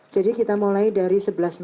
jadi kita mulai dari sebelas empat puluh lima